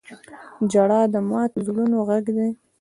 • ژړا د ماتو زړونو غږ دی.